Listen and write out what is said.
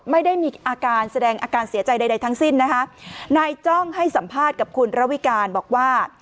ไม่ได้มีอาการแสดงอาการเสียใจใดทั้งสิ้นนะคะนายจ้องให้สัมภาษณ์กับคุณระวิการบอกว่า